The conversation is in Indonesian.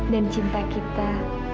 dan cinta kita